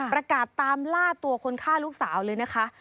ประกาศตามล่าตัวคนฆ่าลูกสาวเลยนะคะ